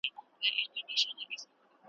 دار ته دي نوم وښیم څوک خو به څه نه وايي .